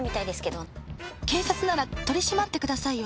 警察なら取り締まってくださいよ。